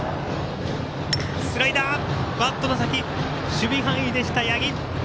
守備範囲でした、八木。